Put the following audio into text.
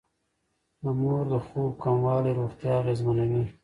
د مور د خوب کموالی روغتيا اغېزمنوي.